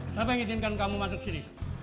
siapa yang izinkan kamu masuk sini